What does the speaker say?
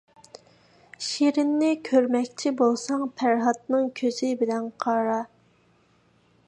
شىرىننى كۆرمەكچى بولساڭ پەرھادنىڭ كۆزى بىلەن قارا.